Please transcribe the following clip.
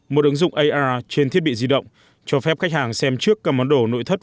một ứng dụng ar trên thiết bị di động cho phép khách hàng xem trước các món đồ nội thất